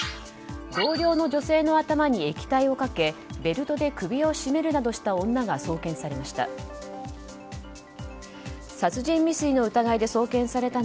同僚の女性の頭を液体をかけベルトで首を絞めるなどした女が送検されました。